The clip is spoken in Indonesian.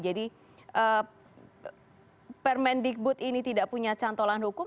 jadi permen digbut ini tidak punya cantolan hukum